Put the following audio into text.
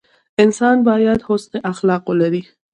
انسان باید حسن اخلاق ولري.